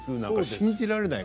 信じられない。